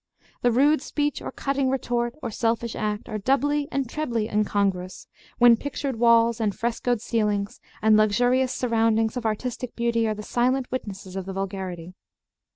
The rude speech or cutting retort or selfish act are doubly and trebly incongruous when pictured walls and frescoed ceilings and luxurious surroundings of artistic beauty are the silent witnesses of the vulgarity.